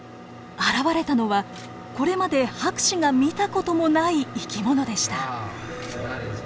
現れたのはこれまで博士が見た事もない生き物でした。